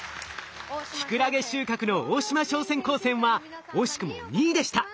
キクラゲ収穫の大島商船高専は惜しくも２位でした。